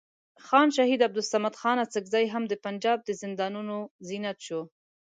خان شهید عبدالصمد خان اڅکزی هم د پنجاب زندانونو زینت شو.